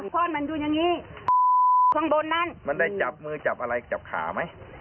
แค้นมันได้จับมือจับอะไรจับขาไหม